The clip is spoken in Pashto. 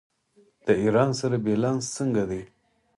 د ایران سره بیلانس څنګه دی؟